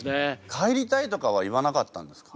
帰りたいとかは言わなかったんですか？